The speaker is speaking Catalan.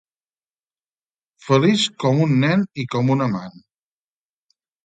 Feliç com un nen i com un amant.